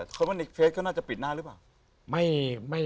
คำว่าในเฟสก็น่าจะปิดหน้าหรือเปล่า